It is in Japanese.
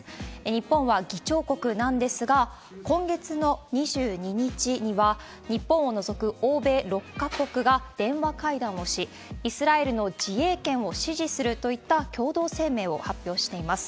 日本は議長国なんですが、今月の２２日には、日本を除く欧米６か国が電話会談をし、イスラエルの自衛権を支持するといった共同声明を発表しています。